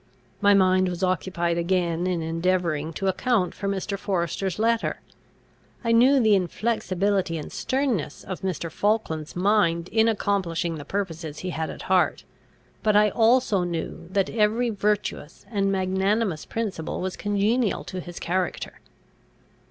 My mind was occupied again in endeavouring to account for Mr. Forester's letter. I knew the inflexibility and sternness of Mr. Falkland's mind in accomplishing the purposes he had at heart; but I also knew that every virtuous and magnanimous principle was congenial to his character.